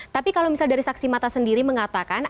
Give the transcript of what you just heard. tapi kalau misalnya dari saksi mata sendiri mengatakan